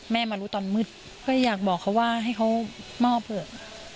มารู้ตอนมืดก็อยากบอกเขาว่าให้เขามอบเถอะ